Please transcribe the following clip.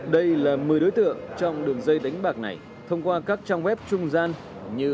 đây là một mươi đối tượng trong đường dây đánh bạc này thông qua các trang web trung gian như